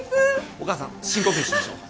お母さん深呼吸しましょう。